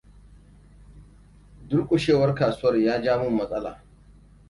Durƙushewar kasuwar ya ja min matsala.